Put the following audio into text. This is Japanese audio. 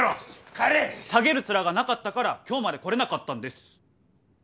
下げる面がなかったから今日まで来れなかったんです。